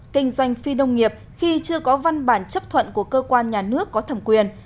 kinh doanh phi nông nghiệp khi chưa có văn bản chấp thuận của cơ quan nhà nước có thẩm quyền